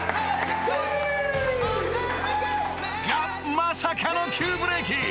［がまさかの急ブレーキ］